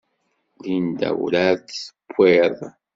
Linda werɛad d-tuwiḍ.